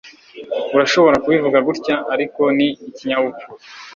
Urashobora kubivuga gutya ariko ni ikinyabupfura